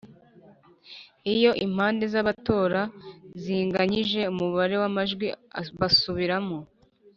Iyo impande z’abatora zinganyije umubare w’amajwi basubiramo